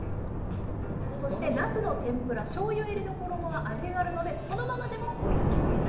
そしてなすの天ぷらしょうゆ入りの衣は味があるのでそのままでもおいしく頂けます。